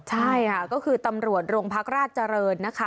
ใช่ค่ะก็คือตำรวจโรงพักราชเจริญนะคะ